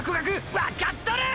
わかっとる！！